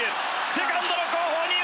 セカンドの後方に落ちる！